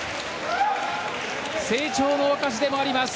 成長の証しでもあります。